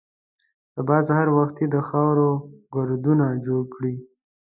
سبا سهار وختي د خاورو ګردونه جوړ کړي.